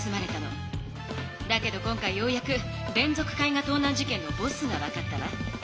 だけど今回ようやく連続絵画盗難事件のボスが分かったわ。